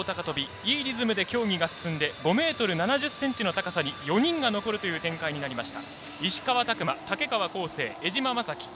いいリズムで競技が進んで５ｍ７０ｃｍの高さに４人が残るという展開になりました。